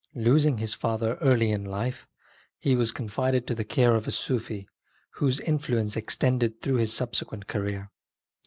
Losing his father in early life, he was confided to the care of a Sufi, whose in fluence extended through his subsequent career.